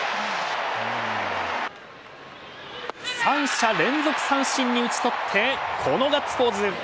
３者連続三振に打ち取ってガッツポーズ。